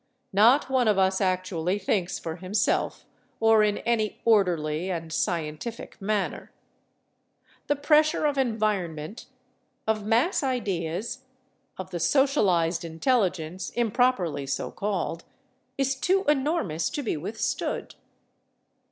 Not one of us actually thinks for himself, or in any orderly and scientific manner. The pressure of environment, of mass ideas, of the socialized intelligence, improperly so called, is too enormous to be withstood.